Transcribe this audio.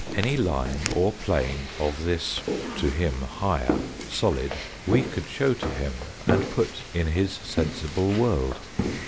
Any line, or plane of this, to him higher, solid we could show to him, and put in his sensible world.